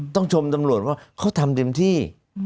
ชมตำรวจว่าเขาทำเต็มที่